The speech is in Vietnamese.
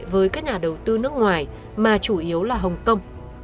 với các nhà đầu tư nước ngoài mà chủ yếu là hồng kông